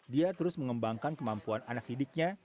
dia terus mengembangkan kemampuan anak didiknya